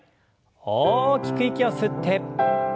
大きく息を吸って。